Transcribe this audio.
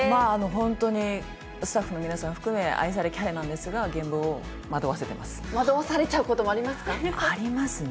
本当にスタッフの皆さん含め、愛されキャラなんですが、現場を惑わされちゃうこともありまありますね。